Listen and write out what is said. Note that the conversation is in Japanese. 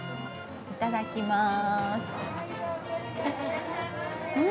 いただきます！